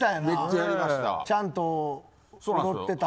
ちゃんと踊ってたね。